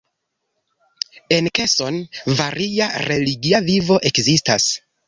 En Keson varia religia vivo ekzistas.